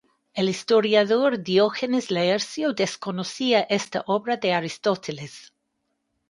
El historiador Diógenes Laercio desconocía esta obra de Aristóteles.